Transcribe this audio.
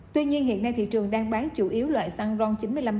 tuy nhiên hiện nay thị trường đang bán chủ yếu loại xăng ron chín mươi năm